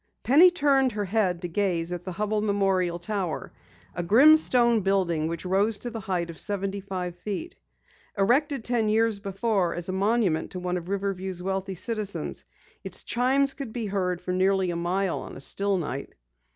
Penny turned her head to gaze at the Hubell Memorial Tower, a grim stone building which rose to the height of seventy five feet. Erected ten years before as a monument to one of Riverview's wealthy citizens, its chimes could be heard for nearly a mile on a still night.